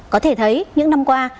có thể thấy những năm qua